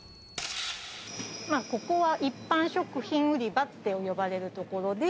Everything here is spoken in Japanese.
ここは一般食品売り場と呼ばれるところで。